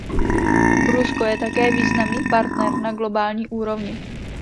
Rusko je také významný partner na globální úrovni.